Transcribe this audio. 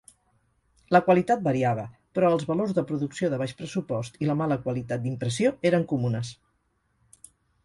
La qualitat variava, però els valors de producció de baix pressupost i la mala qualitat d'impressió eren comunes.